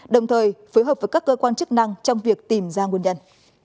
đồng thời phối hợp với các cơ quan chức năng trong việc tìm ra nguồn nhân